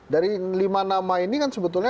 dari lima nama ini kan sebetulnya